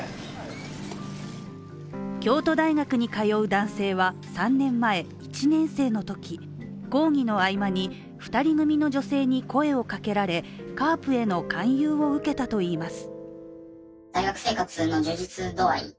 京都大学に通う男性は３年前、１年生のとき講義の合間に、２人組の女性に声をかけられ、ＣＡＲＰへの勧誘を受けたといいます。